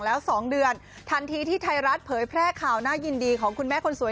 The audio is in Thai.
ผู้ชายก็อยากได้ผู้ชาย